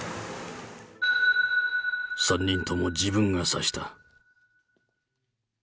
３人とも自分が刺した。